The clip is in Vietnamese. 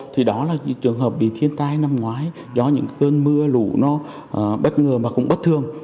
thì đó là trường hợp bị thiên tai năm ngoái do những cơn mưa lụ nó bất ngờ mà cũng bất thường